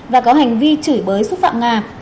và có hành vi chửi bới xúc phạm ngà